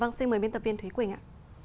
vâng xin mời biên tập viên thúy quỳnh ạ